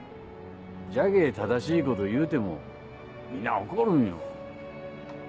じゃけぇ正しいこと言うてもみんな怒るんよ。